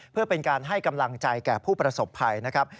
เพื่อเป็นการให้กำลังใจแก่ผู้ประสบภัยนะครับ